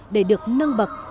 để được nâng bậc